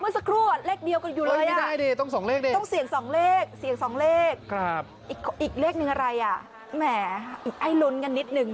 สินค้า